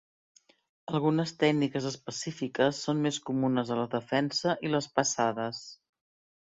Algunes tècniques específiques són més comunes a la defensa i les passades.